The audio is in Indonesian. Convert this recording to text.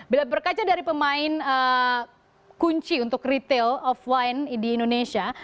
bila berkaca dari pemain kunci untuk retail offline di indonesia